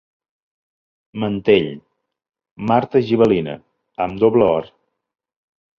Mantell: marta gibelina, amb doble or.